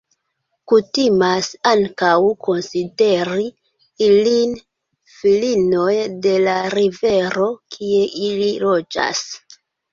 Kutimas ankaŭ konsideri ilin filinoj de la rivero kie ili loĝas.